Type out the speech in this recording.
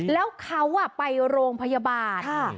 แล้วเค้าอ่ะไปโรงพยาบาล